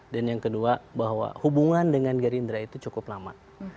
dan yang kedua bahwa hubungan dengan gerindra itu cukup lama